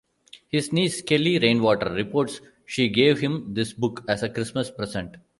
His niece Kelley Rainwater reports she gave him this book as a Christmas present.